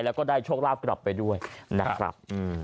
แล้วก็ได้โชคลาภกลับไปด้วยนะครับ